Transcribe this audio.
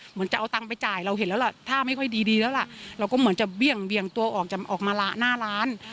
เหมือนจะเอาตังค์ไปจ่ายเราเห็นแล้วล่ะท่าไม่ค่อยดีแล้วล่ะเราก็เหมือนจะเบี่ยงตัวออกจะออกมาหน้าร้าน